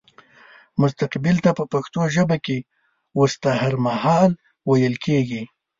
مستقبل ته په پښتو ژبه کې وستهرمهال ويل کيږي